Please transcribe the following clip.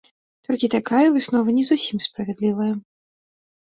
Толькі такая выснова не зусім справядлівая.